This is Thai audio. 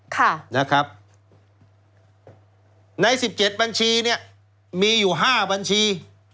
ค่ะนะครับในสิบเจ็ดบัญชีเนี่ยมีอยู่ห้าบัญชี